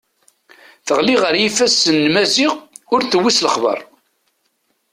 Teɣli ɣer yifassen n Maziɣ ur d-tewwi s lexber.